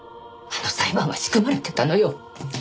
あの裁判は仕組まれてたのよ。